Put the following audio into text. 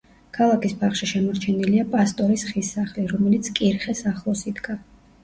ქალაქის ბაღში შემორჩენილია პასტორის ხის სახლი, რომელიც კირხეს ახლოს იდგა.